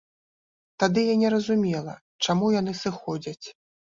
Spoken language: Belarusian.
Тады я не разумела, чаму яны сыходзяць.